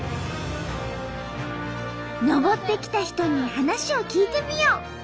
登ってきた人に話を聞いてみよう。